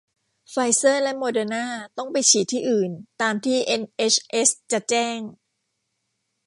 ไฟเซอร์และโมเดอร์นาต้องไปฉีดที่อื่น ตามที่เอ็นเอชเอสจะแจ้ง